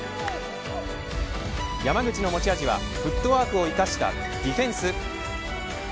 山口の持ち味はフットワークを生かしたディフェンス。